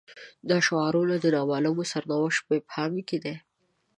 دا شعارونه د نا معلوم سرنوشت په ابهام کې دي.